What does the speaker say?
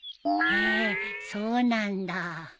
へえそうなんだ。